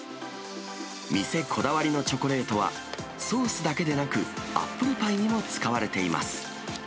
店こだわりのチョコレートは、ソースだけでなく、アップルパイにも使われています。